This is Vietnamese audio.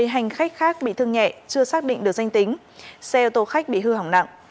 một mươi hành khách khác bị thương nhẹ chưa xác định được danh tính xe ô tô khách bị hư hỏng nặng